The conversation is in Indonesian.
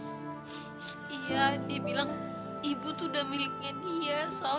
iya dia bilang ibu tuh udah miliknya dia